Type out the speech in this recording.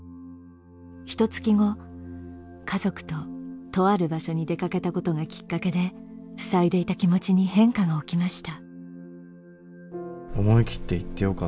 ひとつき後家族ととある場所に出かけたことがきっかけでふさいでいた気持ちに変化が起きました。